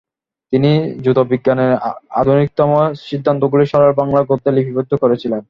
তিনি জ্যোতির্বিজ্ঞানের আধুনিকতম সিদ্ধান্তগুলি সরল বাংলা গদ্যে লিপিবদ্ধ করেছিলেন।